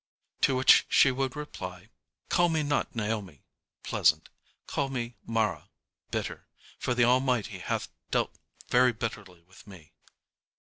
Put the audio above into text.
To which she would reply, "Call me not Naomi, 'pleasant,' call me Mara, 'bitter,' for the Almighty hath dealt very bitterly with me."